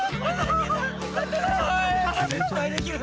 絶対できる！